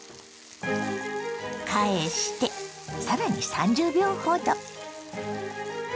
返してさらに３０秒ほど。